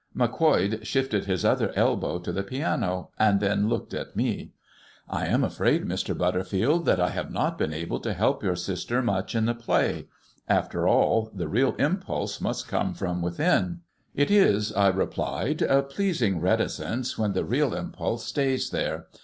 Macquoid shifted his other elbow to the piano, and then looked at me. "I am afraid, Mr. Butterfield, that I have not been able to help your sister much in the play. After all, the real impulse must come from within." "It is," I replied, "a pleasing reticence when the real impulse stays there.